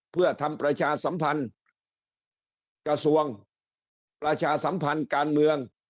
เพื่อทำประชาสัมพันธ์กระทรวงประชาสัมพันธ์การเมือง